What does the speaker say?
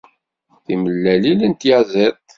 Timellalin n tyaziṭ